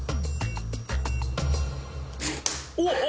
おっ！